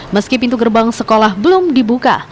meski pintu gerbang sekolah belum dibuka